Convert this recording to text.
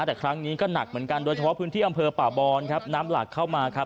แต่ครั้งนี้ก็หนักเหมือนกันโดยเฉพาะพื้นที่อำเภอป่าบอนครับน้ำหลากเข้ามาครับ